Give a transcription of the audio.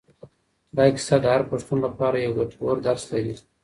دا کیسه د هر پښتون لپاره یو ګټور درس لري.